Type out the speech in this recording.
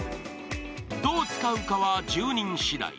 どう使うかは住人しだい。